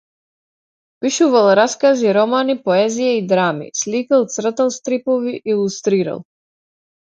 Пишувал раскази, романи, поезија и драми, сликал, цртал стрипови, илустрирал.